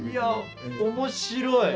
面白い。